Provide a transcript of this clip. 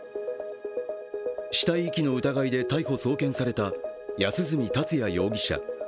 死体遺棄の疑いで逮捕・送検された安栖達也容疑者。